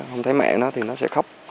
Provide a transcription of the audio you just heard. không thấy mẹ nó thì nó sẽ khóc